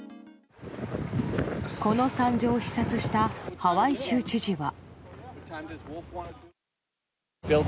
この惨状を視察したハワイ州知事は。